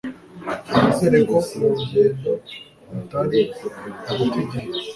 nizere ko uru rugendo atari uguta igihe